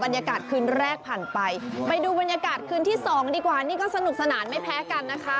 บรรยากาศคืนแรกผ่านไปไปดูบรรยากาศคืนที่สองดีกว่านี่ก็สนุกสนานไม่แพ้กันนะคะ